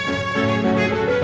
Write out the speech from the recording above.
aku mau denger